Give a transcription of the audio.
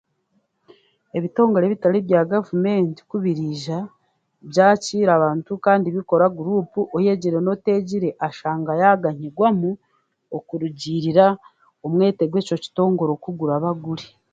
Ebitongore bitari bya gavumenti ku biriija, byakiira bantu kandi bikora guruupu, oyegire n'oteegire ashangwa yaaganyirwamu okuruugiirira omweto gw'ekyo kitongore oku guraba guri.